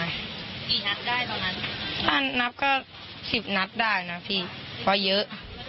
กี่นัดได้ตอนนั้นถ้านับก็สิบนัดได้นะพี่เพราะเยอะ